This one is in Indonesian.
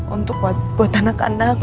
untuk kuat buat anak anak